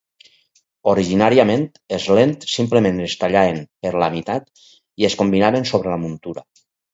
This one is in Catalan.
Originàriament, els lents simplement es tallaven per la meitat i es combinaven sobre la muntura.